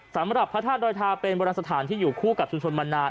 สำหรับพระธาตุดอยทาเป็นบรรณสถานที่อยู่คู่กับชุมชนมานาน